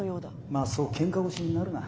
まあそうけんか腰になるな。